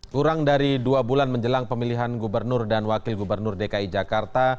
kurang dari dua bulan menjelang pemilihan gubernur dan wakil gubernur dki jakarta